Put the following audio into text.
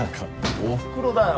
おふくろだよ。